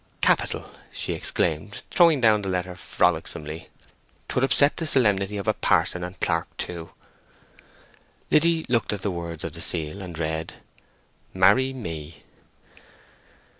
"Capital!" she exclaimed, throwing down the letter frolicsomely. "'Twould upset the solemnity of a parson and clerke too." Liddy looked at the words of the seal, and read— "MARRY ME."